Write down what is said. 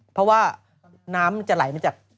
เพราะว่าน้ำมันจะไหลมาจาก